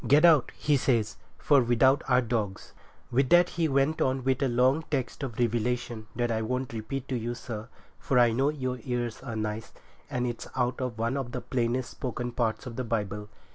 Get out,' he says, '"For without are dogs—"' With that he went on with a long text of Revelation that I won't repeat to you, sir, for I know your ears are nice, and it's out of one of the plainest spoken parts of the Bible.